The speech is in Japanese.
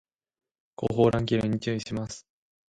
後方乱気流に注意します